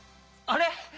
あれ？